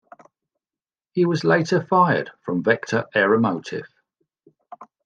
He was later fired from Vector Aeromotive.